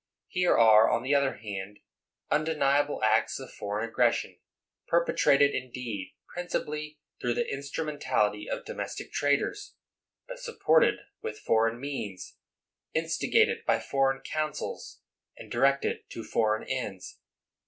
Here are, on the other hand, undeniable acts of foreign aggression, perpetrated, indeed, principally through the instrumentality of domestic traitors, but supported with foreign means, instigated by foreign councils, and directed to foreign ends.